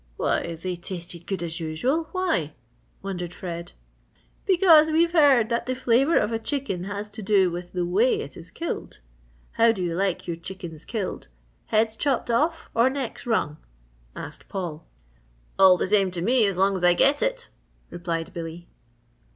"Why, they tasted good as usual why?" wondered Fred. "Because, we've heard that the flavour of a chicken has to do with the way it is killed. How do you like your chickens killed heads chopped off or necks wrung?" asked Paul. "All the same to me as long as I get it," replied Billy.